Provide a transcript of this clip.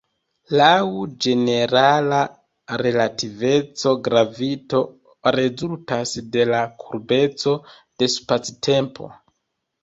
Laŭ ĝenerala relativeco, gravito rezultas de la kurbeco de spactempo.